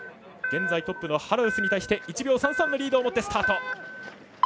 現在トップのハラウスに対して１秒３３のリードをもってスタート。